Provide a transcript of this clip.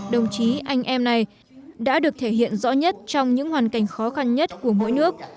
đồng chí anh em này đã được thể hiện rõ nhất trong những hoàn cảnh khó khăn nhất của mỗi nước